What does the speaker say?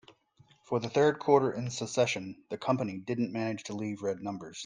For the third quarter in succession, the company didn't manage to leave red numbers.